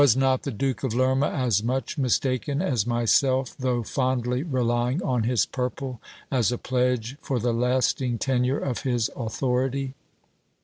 not the Duke of Lerma as much mistaken as myself, though fondly relying on his purple, as a pledge for the lasting tenure of his authority